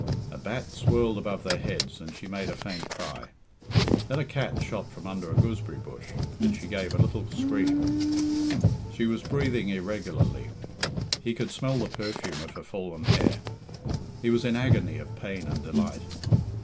A bat swirled above their heads and she made a faint cry. Then a cat shot from under a gooseberry bush, and she gave a little scream. She was breathing irregularly. He could smell the perfume of her fallen hair. He was in agony of pain and delight.